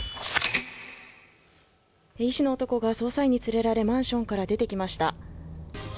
医師の男が捜査員に連れられマンションから出てきました。